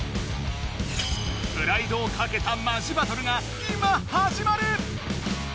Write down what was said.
プライドをかけたマジバトルが今はじまる！